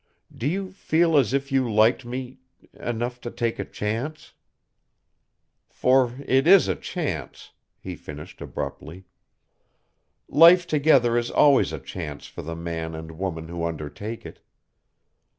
Do you feel as if you liked me enough to take a chance? "For it is a chance," he finished abruptly. "Life together is always a chance for the man and woman who undertake it.